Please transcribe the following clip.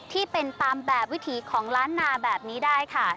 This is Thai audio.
ที่เป็นตามแบบวิถีของล้านนาแบบนี้ได้ค่ะ